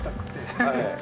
はい。